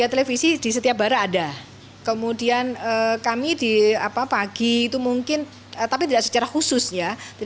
tidak kemudian kami di pagi itu mungkin tapi tidak secara khusus ya